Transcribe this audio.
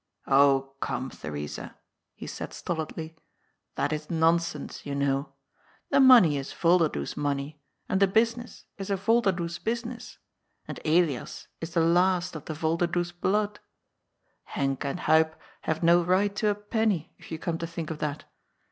*^ Oh come, Theresa,'' he said stolidly, ^' that is nonsense, you know. The money is Y olderdoes money, and the business is a Yolderdoes business, and Elias is the last of the Yolderdoes blood. Henk and Huib have no right to a penny, if you come to think of that.